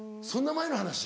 そんな前の話。